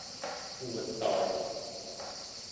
活道